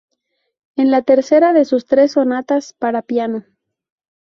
Es la tercera de sus tres sonatas para piano.